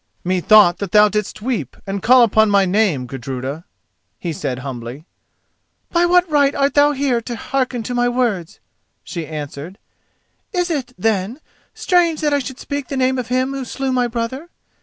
"Methought that thou didst weep and call upon my name, Gudruda," he said humbly. "By what right art thou here to hearken to my words?" she answered. "Is it, then, strange that I should speak the name of him who slew my brother?